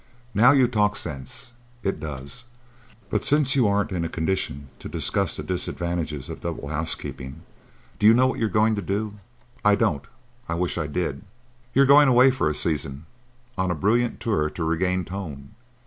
"Now you talk sense. It does. But, since you aren't in a condition to discuss the disadvantages of double housekeeping, do you know what you're going to do?" "I don't. I wish I did." "You're going away for a season on a brilliant tour to regain tone.